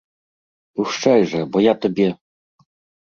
Пушчай жа, бо я табе!